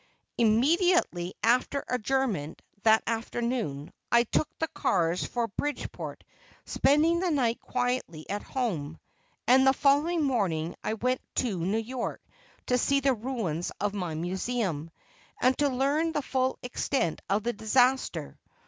Immediately after adjournment that afternoon, I took the cars for Bridgeport, spending the night quietly at home, and the following morning I went to New York to see the ruins of my Museum, and to learn the full extent of the disaster.